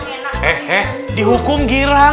eh eh dihukum girang